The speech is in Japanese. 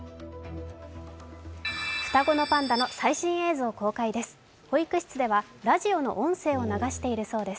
双子のパンダの最新映像公開です。